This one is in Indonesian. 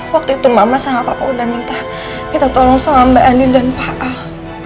waktu itu mama sama papa udah minta kita tolong sama mbak andi dan pak al